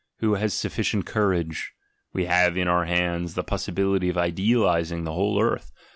Who has sufficient courage? We have in our hands the possibility of idealising the whole earth.